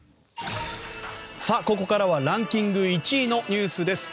ここからはランキング１位のニュースです。